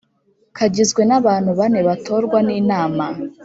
Kagizwe n abantu bane batorwa n inama